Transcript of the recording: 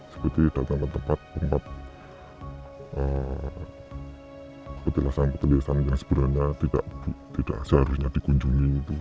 seperti datang ke tempat tempat petulisan petulisan yang sebenarnya tidak seharusnya dikunjungi